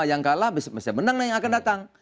yang kalah bisa menang yang akan datang